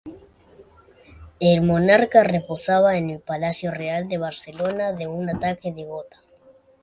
El monarca reposaba en el Palacio Real de Barcelona de un ataque de gota.